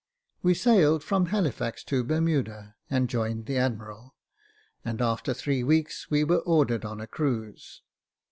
We sailed from Halifax to Bermuda, and joined the admiral, and after three weeks, we were ordered on a cruise.